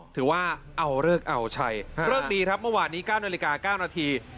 ถือว่าเอาเลิกเอาชัยเลิกดีครับเมื่อวานนี้๙นาฬิกา๙นาที